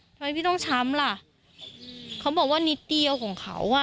ทำไมพี่ต้องช้ำล่ะเขาบอกว่านิดเดียวของเขาอ่ะ